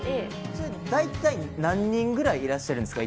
それ大体何人ぐらいいらっしゃるんですか？